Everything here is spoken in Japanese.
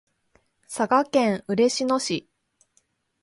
佐賀県嬉野市